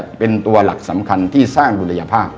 เป็นตัวหลักสำคัญที่สร้างดุลยภาพ